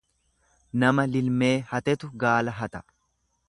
Nama lilmee hatetu gaala hata.